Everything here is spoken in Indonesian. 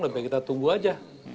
lebih kita tunggu aja